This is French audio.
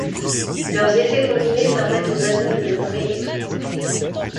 Leurs effets combinés permettent aux anneaux de demeurer étroits.